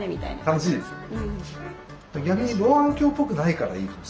楽しいですよね。